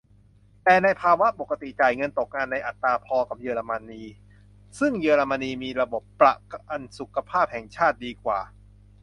แต่ในภาวะปกติจ่ายเงินตกงานในอัตราพอกับเยอรมนี ซึ่งเยอรมนีมีระบบประกันสุขภาพแห่งชาติดีกว่า